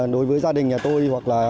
đối với gia đình nhà tôi hoặc là